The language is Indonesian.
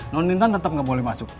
non intan tetap gak boleh masuk